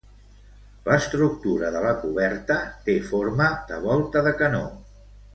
L'estructura de la coberta té forma de volta de canó.